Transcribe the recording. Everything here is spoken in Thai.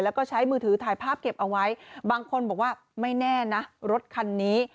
แล้วก็ใช้มือถือถ่ายภาพเก็บเอาไว้บางคนบอกว่าไม่แน่นะรถคันนี้